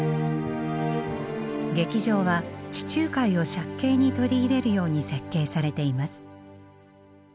劇場は地中海を借景に取り入れるように設計されています。